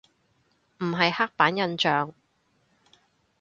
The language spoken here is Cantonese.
唔係刻板印象